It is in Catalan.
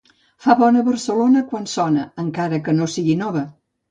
Fa bona Barcelona quan sona, encara que no sigui nova.